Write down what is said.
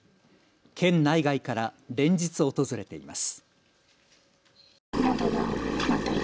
県内外から連日、訪れています。